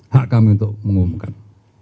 hak kami untuk mengumumkan